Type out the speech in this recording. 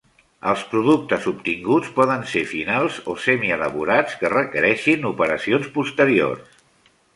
Els productes obtinguts poden ser finals o semielaborats que requereixin operacions posteriors.